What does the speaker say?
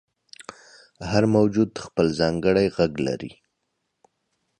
• هر موجود خپل ځانګړی ږغ لري.